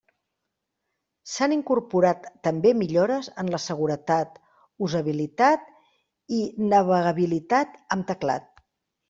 S'han incorporat també millores en la seguretat, usabilitat i navegabilitat amb teclat.